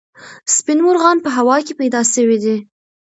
سپین مرغان په هوا کې پیدا سوي دي.